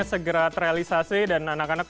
segera terrealisasi dan anak anak